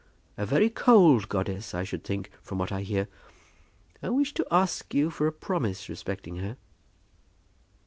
"A very cold goddess, I should think, from what I hear. I wish to ask you for a promise respecting her."